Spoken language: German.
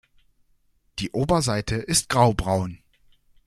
Die Oberseite ist graubraun.